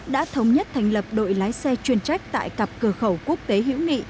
đã thống nhất thành lập đội lái xe chuyên trách tại cặp cửa khẩu quốc tế hữu nghị